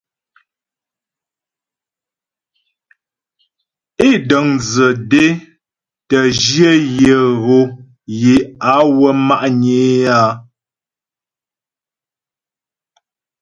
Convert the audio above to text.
É dəŋdzə dé tə́ jyə̂ yə ghom yé á bə wə́ ma'nyə é áa.